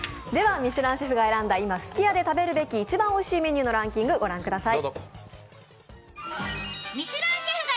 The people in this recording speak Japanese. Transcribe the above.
ミシュランシェフが選んだ今、すき家で食べるべき一番おいしいランキングを御覧ください。